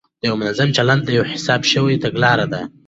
دا یو منظم چلند دی، یوه حساب شوې تګلاره ده،